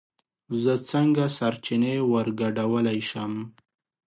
زه څنگه سرچينې ورگډولی شم